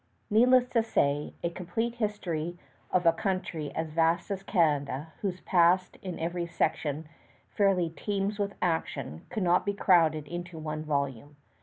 Needless to say, a complete history of a country as vast as Canada, whose past in every section fairly teems with action, could not be crowded into one volume.